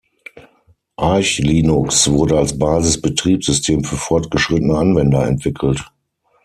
Arch Linux wurde als „Basis-Betriebssystem für fortgeschrittene Anwender“ entwickelt.